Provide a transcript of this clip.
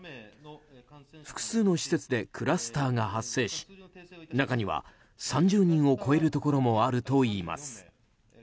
複数の施設でクラスターが発生し中には、３０人を超えるところもあるといいます。